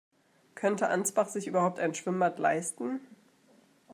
Könnte Ansbach sich überhaupt ein Schwimmbad leisten?